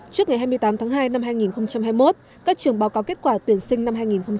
trước ngày hai mươi tám tháng hai năm hai nghìn hai mươi một các trường báo cáo kết quả tuyển sinh năm hai nghìn hai mươi